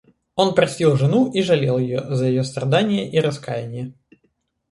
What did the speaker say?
Он простил жену и жалел ее за ее страдания и раскаяние.